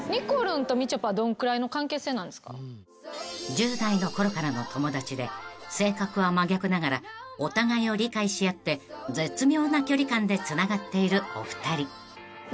［１０代のころからの友達で性格は真逆ながらお互いを理解し合って絶妙な距離感でつながっているお二人］